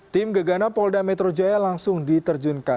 tim gegana polda metro jaya langsung diterjunkan